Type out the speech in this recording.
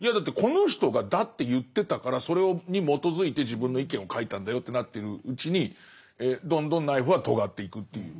いやだってこの人がだって言ってたからそれに基づいて自分の意見を書いたんだよってなってるうちにどんどんナイフはとがっていくっていう。